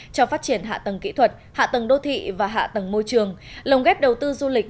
cho phát triển hạ tầng kỹ thuật hạ tầng đô thị và hạ tầng môi trường lồng ghép đầu tư du lịch